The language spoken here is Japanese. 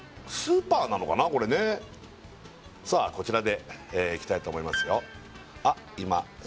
これねさあこちらでいきたいと思いますよ